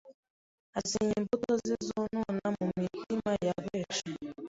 asenya imbuto ze zonona mu mitima ya benshi